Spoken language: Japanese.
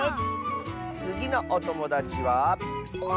つぎのおともだちは。